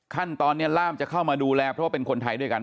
ขั้นตอนนี้ล่ามจะเข้ามาดูแลเพราะว่าเป็นคนไทยด้วยกัน